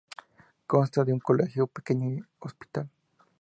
Consta de un colegio y un pequeño hospital.